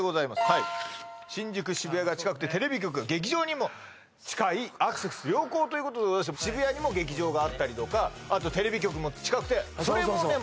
はい新宿・渋谷が近くてテレビ局・劇場にも近いアクセス良好ということで渋谷にも劇場があったりとかあとテレビ局も近くてそれもね